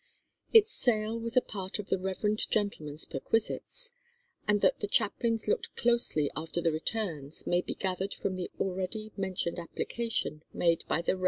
Its sale was a part of the reverend gentleman's perquisites; and that the chaplains looked closely after the returns may be gathered from the already mentioned application made by the Rev. Mr.